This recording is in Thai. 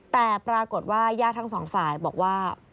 แต่ปรากฏว่าญาติทั้งสองฝ่ายบอกว่า